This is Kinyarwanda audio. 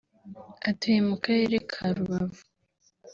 atuye mu Karere ka Rubavu